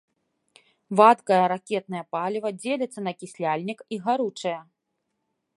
Вадкае ракетнае паліва дзеліцца на акісляльнік і гаручае.